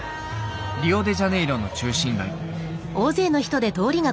リオデジャネイロの中心街。